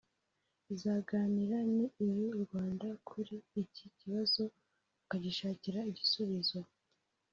izaganira n’iy’u Rwanda kuri iki kibazo bakagishakira igisubizo